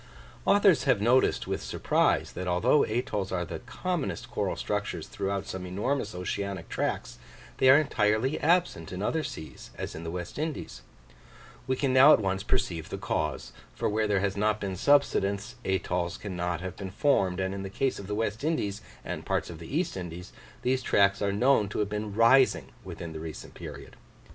Authors have noticed with surprise, that although atolls are the commonest coral structures throughout some enormous oceanic tracts, they are entirely absent in other seas, as in the West Indies: we can now at once perceive the cause, for where there has not been subsidence, atolls cannot have been formed; and in the case of the West Indies and parts of the East Indies, these tracts are known to have been rising within the recent period.